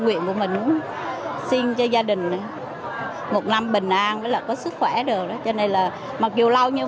nguyện của mình xin cho gia đình một năm bình an với là có sức khỏe được cho nên là mặc dù lâu như